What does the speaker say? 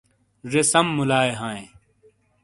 زے سم مُلائے ہاںئے